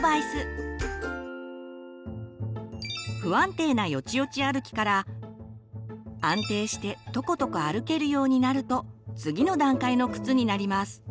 不安定なよちよち歩きから安定してとことこ歩けるようになると次の段階の靴になります。